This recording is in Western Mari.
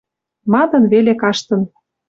Мадын веле каштын.